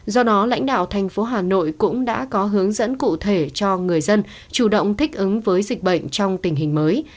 do đó lãnh đạo thành phố hà nội cũng đã có hướng dẫn cụ thể cho người dân chủ động thích ứng với dịch bệnh trong tình hình mới